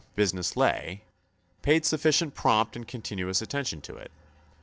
business lay, paid sufficiently prompt and contin uous attention to it.